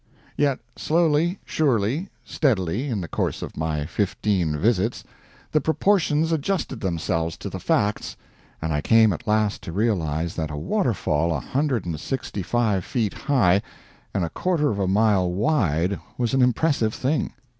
Yet slowly, surely, steadily, in the course of my fifteen visits, the proportions adjusted themselves to the facts, and I came at last to realize that a waterfall a hundred and sixty five feet high and a quarter of a mile wide was an impressive thing.